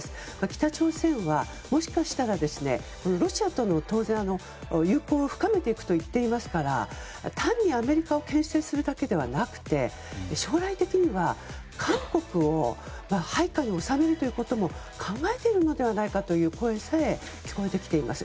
北朝鮮はもしかしたらロシアとも当然、友好を深めていくと言っていますから単にアメリカを牽制するだけではなくて将来的には韓国を配下に収めることも考えているのではないかという声さえ聞こえてきています。